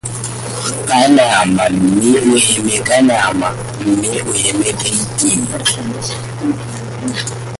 Kanama mme o heme ka iketlo.